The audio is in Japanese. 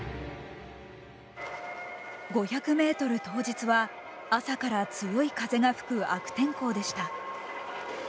５００ｍ当日は朝から強い風が吹く悪天候でした。